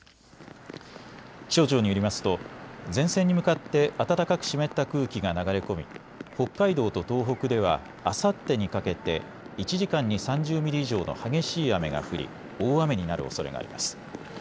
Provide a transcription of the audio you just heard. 気象庁によりますと前線に向かって暖かく湿った空気が流れ込み北海道と東北ではあさってにかけて１時間に３０ミリ以上の激しい雨が降り大雨になるおそれがあります。